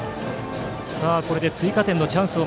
これで追加点のチャンス